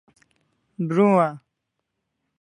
Bru'an